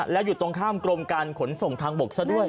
แล้วอยู่ตรงข้ามกรมการขนส่งทางบกซะด้วย